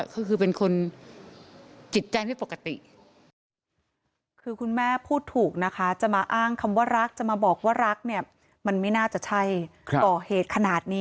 ก็เหตุขนาดนี้คือคือเป็นคนจิตใจไม่ปกติ